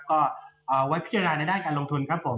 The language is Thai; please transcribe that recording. ก็ไว้พิจารณาในด้านการลงทุนครับผม